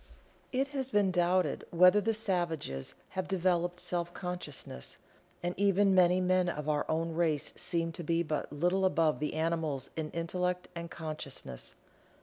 It has been doubted whether the savages have developed Self consciousness, and even many men of our own race seem to be but little above the animals in intellect and consciousness.